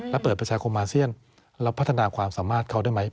แล้วเปิดประชาโครงมาเชี่ยนแล้วพัฒนาความสามารถเข้าได้มั้ย